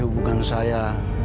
lalu bukan saya